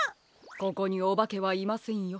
ここにおばけはいませんよ。